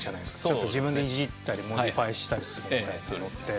ちょっと自分でいじったりモディファイしたりするみたいなのって。